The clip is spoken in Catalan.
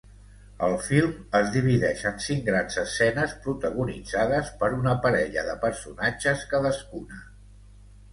El film es divideix en cinc grans escenes protagonitzades per una parella de personatges cadascuna.